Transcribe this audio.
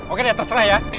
oke deh terserah ya